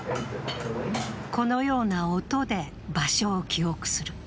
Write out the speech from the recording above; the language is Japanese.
このような音で場所を記憶する。